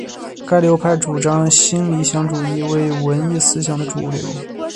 该流派主张新理想主义为文艺思想的主流。